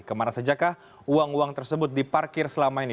kemana sejakkah uang uang tersebut diparkir selama ini